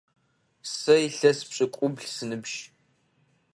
Сэ илъэс пшӏыкӏубл сыныбжь.